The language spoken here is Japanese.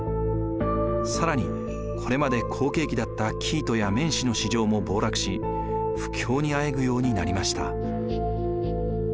更にこれまで好景気だった生糸や綿糸の市場も暴落し不況にあえぐようになりました。